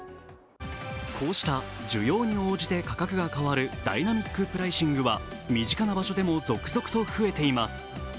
こうした需要に応じて価格が変わるダイナミックプライシングは身近な場所でも続々と増えています。